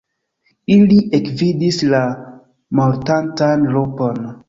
Ili ekvidis la mortantan lupon.